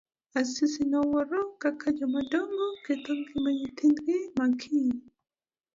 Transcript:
Asisi nowuoro kaka joma dongo ketho ngima nyihindi makiny.